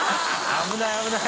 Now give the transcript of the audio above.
危ない危ない。